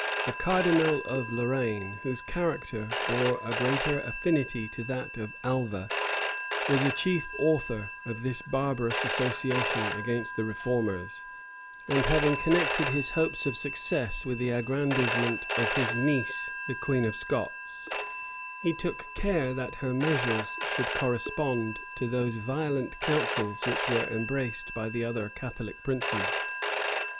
The cardinal of Lorraine, whose character bore a greater affinity to that of Alva, was a chief author of this barbarous association against the reformers; and having connected his hopes of success with the aggrandizement of his niece, the queen of Scots, he took care that her measures should correspond to those violent counsels which were embraced by the other Catholic princes.